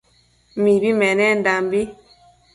Mibi menendanbi